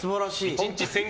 １日１０００